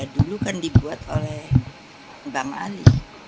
dulu kan dibuat oleh bang ali